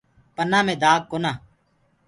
پنآ مي دآگ ڪونآ۔